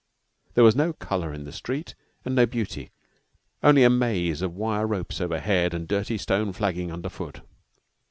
There was no color in the street and no beauty only a maze of wire ropes overhead and dirty stone flagging under foot.